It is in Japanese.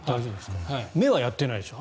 目はやってないでしょ？